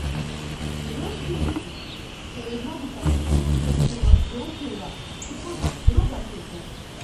ძველ თბილისში სეირნობისას ისეთი შეგრძნება გეუფლება, თითქოს დრო გაჩერდა.